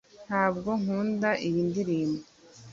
ntabwo nkunda iyi ndirimbo